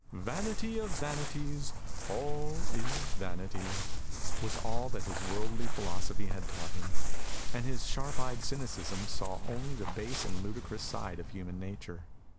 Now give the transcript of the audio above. "Vanity of vanities, all is vanity," was all that his worldly philosophy had taught him, and his sharp eyed cynicism saw only the base and ludicrous side of human nature.